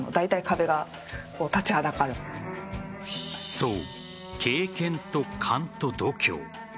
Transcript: そう、経験と勘と度胸。